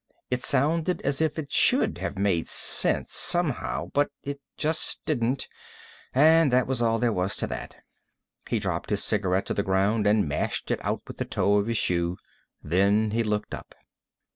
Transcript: It sounded as if it should have made sense, somehow, but it just didn't, and that was all there was to that. He dropped his cigarette to the ground and mashed it out with the toe of his shoe. Then he looked up.